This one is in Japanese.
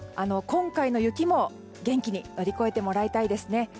今回の雪も元気に乗り越えてもらいたいですね。